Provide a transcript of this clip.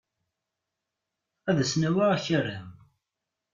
Ad asen-awiɣ akaram.